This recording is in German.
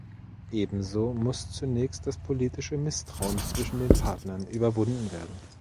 Ebenso muss zunächst das politische Misstrauen zwischen den Partnern überwunden werden.